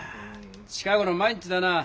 近ごろ毎日だな。